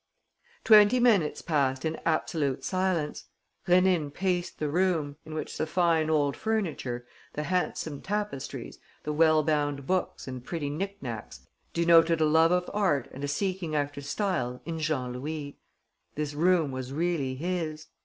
Twenty minutes passed in absolute silence. Rénine paced the room, in which the fine old furniture, the handsome tapestries, the well bound books and pretty knick knacks denoted a love of art and a seeking after style in Jean Louis. This room was really his.